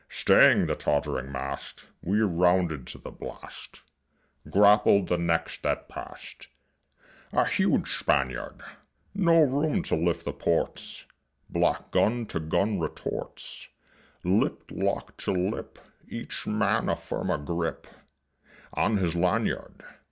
Staying the tott'ring mast We rounded to the blast, Grappled the next that pass'd A huge Spaniard. No room to lift the ports: Black gun to gun retorts Lip locked to lip, Each man a firmer grip On his lanyard.